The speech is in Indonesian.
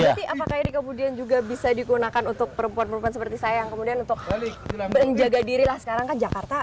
jadi apakah ini kemudian juga bisa dikunakan untuk perempuan perempuan seperti saya yang kemudian untuk menjaga diri lah sekarang kan jakarta